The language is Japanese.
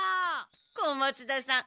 小松田さん